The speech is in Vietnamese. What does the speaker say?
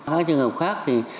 các trường hợp khác thì